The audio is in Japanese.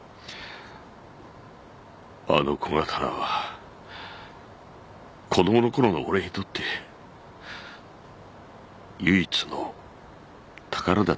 あの小刀は子供のころの俺にとって唯一の宝だったんだ。